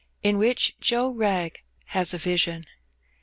IN WHICH JOE WBAG HAS A VISION.